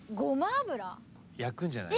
焼くんじゃない？